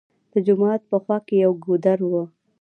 د جومات په خوا کښې يو ګودر وو